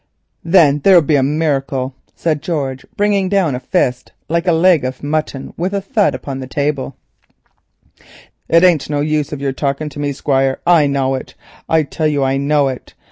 '" "Thin there'll be a miricle," said George, bringing down a fist like a leg of mutton with a thud upon the table, "it ain't no use of your talking to me, Squire. I knaw it, I tell you I knaw it.